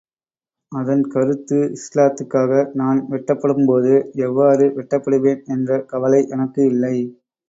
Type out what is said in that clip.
அதன் கருத்து இஸ்லாத்துக்காக நான் வெட்டப்படும் போது, எவ்வாறு வெட்டப்படுவேன் என்ற கவலை எனக்கு இல்லை.